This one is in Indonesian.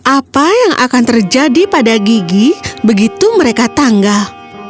apa yang akan terjadi pada gigi begitu mereka tanggal